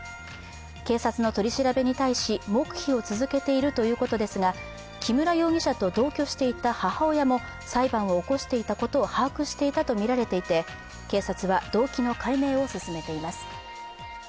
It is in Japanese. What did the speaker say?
警察の取り調べに対し、黙秘を続けているということですが、木村容疑者と同居していた母親も裁判を起こしていたことを把握していたとみられていて、警察は動機の解明を進めています。